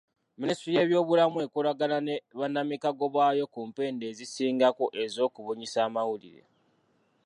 Minisitule y'ebyobulamu ekolagana ne bannamikago baayo ku mpenda ezisingako ez'okubunyisa amawulire.